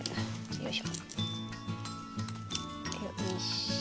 よいしょ。